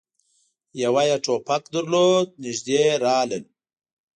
يوه يې ټوپک درلود. نږدې راغلل،